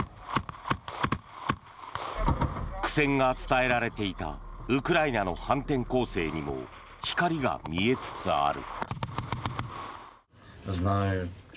苦戦が伝えられていたウクライナの反転攻勢にも光が見えつつある。